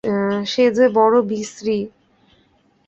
সে যে বড়ো বিশ্রী।